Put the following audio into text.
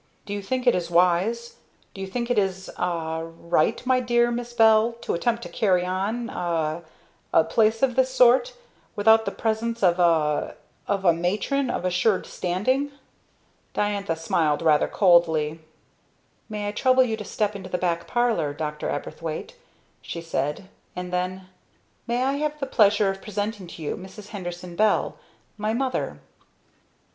Do you think it is wise; do you think it is ah right, my dear Miss Bell, to attempt to carry on a a place of this sort, without the presence of a of a Matron of assured standing?" Diantha smiled rather coldly. "May I trouble you to step into the back parlor, Dr. Aberthwaite," she said; and then; "May I have the pleasure of presenting to you Mrs. Henderson Bell my mother?"